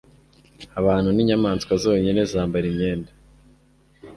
Abantu ninyamaswa zonyine zambara imyenda